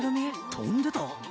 ・・とんでた？